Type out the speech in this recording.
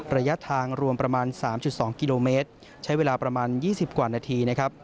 ระยะทางรวมประมาณ๓๒กิโลเมตรใช้เวลาประมาณ๒๐กว่านาทีนะครับ